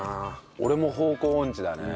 俺も方向音痴だね。